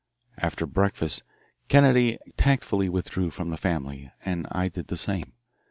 After breakfast Kennedy tactfully withdrew from the family, and I did the same.